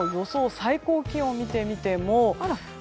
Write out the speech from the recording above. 最高気温を見てみても。